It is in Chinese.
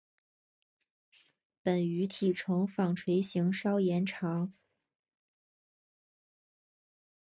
本鱼体成纺锤型稍延长。